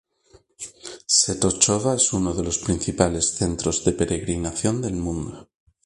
Częstochowa es uno de los principales centros de peregrinación del mundo.